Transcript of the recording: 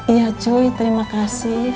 iya cuy terima kasih